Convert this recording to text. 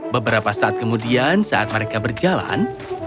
beberapa saat kemudian saat mereka berjalan